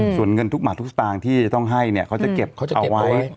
ส่วนเงินทุกบาททุกสตางค์ที่จะต้องให้เนี่ยเขาจะเก็บเอาไว้